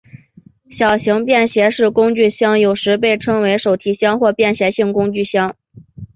小型的便携式工具箱有时被称为手提箱或便携式工具箱。